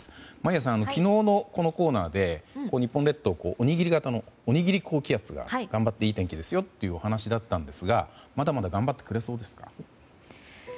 眞家さん、昨日のこのコーナーで日本列島をおにぎり型の高気圧が通って頑張っていい天気ですよというお話でしたがまだまだ頑張ってくれそうですか？